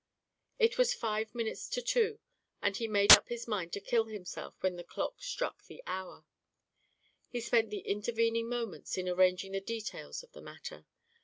It was five minutes to two, and he made up his mind to kill himself when the clock struck the hour. He spent the intervening moments in arranging the details of the matter.